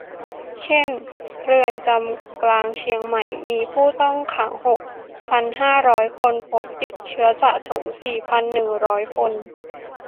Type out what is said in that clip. เช่น เรือนจำกลางเชียงใหม่ มีผู้ต้องขังหกพันห้าร้อยคน พบติดเชื้อสะสมสี่พันหนึ่งร้อยคน